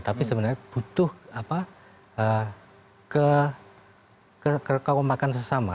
tapi sebenarnya butuh kekawakan sesama